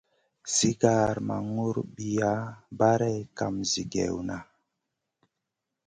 Sigar ma ŋurbiya barey kam zigèwna.